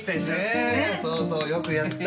ねえそうそうよくやった。